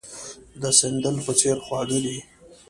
د سندل په څېر خواږه دي.